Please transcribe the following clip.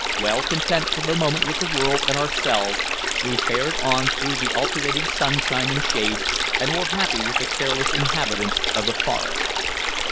Well content for the moment with the world and ourselves, we fared on through the alternating sunshine and shade, and were happy with the careless inhabitants of the forest.